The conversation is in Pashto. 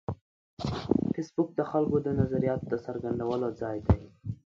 فېسبوک د خلکو د نظریاتو د څرګندولو ځای دی